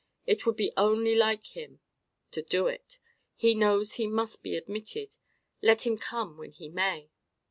It would be only like him to do it. He knows he must be admitted, let him come when he may."